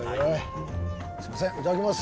すいませんいただきます！